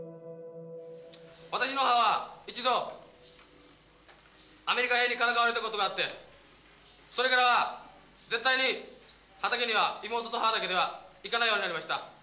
私の母は、一度、アメリカ兵にからかわれたことがあって、それからは絶対に畑には妹と母だけでは行かないようになりました。